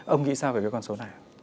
ông nghĩ sao về cái con số này